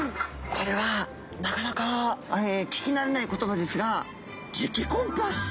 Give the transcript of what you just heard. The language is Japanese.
これはなかなか聞き慣れない言葉ですが磁気コンパス。